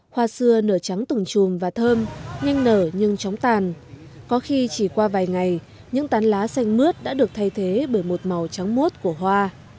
hoa xưa nở trắng từng trùm và thơm nhanh nở nhưng chóng tàn có khi chỉ qua vài ngày những tán lá xanh mướt đã được thay thế bởi một màu trắng mốt của hoa